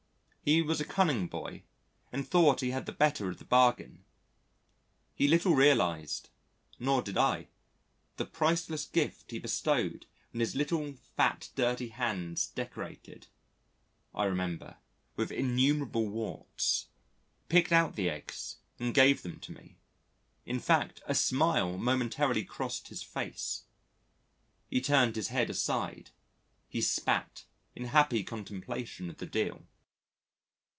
He was a cunning boy and thought he had the better of the bargain. He little realised nor did I the priceless gift he bestowed when his little fat dirty hands decorated, I remember, with innumerable warts, picked out the eggs and gave them to me. In fact, a smile momentarily crossed his face, he turned his head aside, he spat in happy contemplation of the deal.